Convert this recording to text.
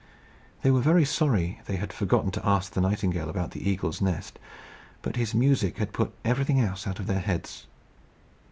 They were very sorry they had forgotten to ask the nightingale about the eagle's nest, but his music had put everything else out of their heads.